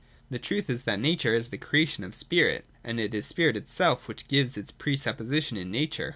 The truth is that Nature is the creation of Spirit, ^ and it is Spirit itself which gives itself a pre supposition in Nature.